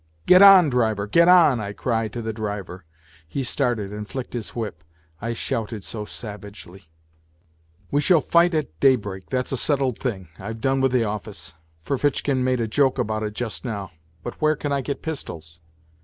Get on, driver, get on !" I cried to the driver. He started and flicked his whip, I shouted so savagely. " We shall fight at daybreak, that's a settled thing. I've done with the office. Ferfitchkin made a joke about it just now. But where can I get pistols